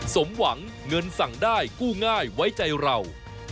สมหวังเงินสั่งได้กู้ง่ายไว้ใจเรา